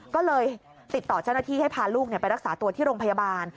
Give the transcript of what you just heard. ก็เลยติดต่อเจ้าหน้าที่ให้พาลูกไปรักษาตัวที่โรงพยาบาล